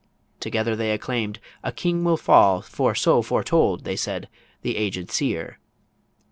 Together they acclaim'd, "A King will fall, For so foretold," they said, "the aged seer."